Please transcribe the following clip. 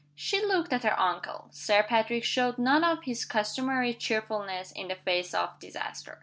She looked at her uncle. Sir Patrick showed none of his customary cheerfulness in the face of disaster.